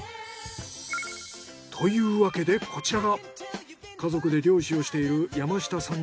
というわけでこちらが家族で漁師をしている山下さん